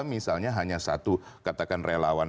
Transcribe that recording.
misalnya hanya satu katakan relawan